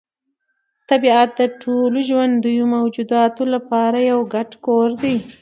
طبیعت د ټولو ژوندیو موجوداتو لپاره یو ګډ کور دی.